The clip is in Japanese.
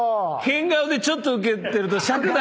変顔でちょっとウケてると尺長く。